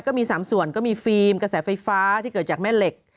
ก็มี๓ส่วนก็มีฟิล์มกระแสไฟฟ้าที่เกิดจากแม่เหล็ก